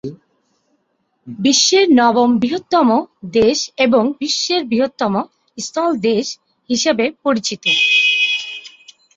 বিশ্বের নবম বৃহত্তম দেশ এবং বিশ্বের বৃহত্তম স্থল দেশ হিসাবে পরিচিত।